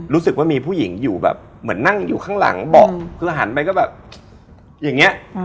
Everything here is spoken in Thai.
รู้สึกว่ามีผู้หญิงอยู่แบบเหมือนนั่งอยู่ข้างหลังเบาะคือหันไปก็แบบอย่างนี้